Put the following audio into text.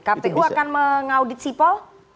kpu akan mengaudit sipol